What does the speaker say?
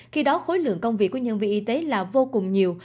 khi đó khối lượng công việc của nhân viên y tế là vô cùng nhiều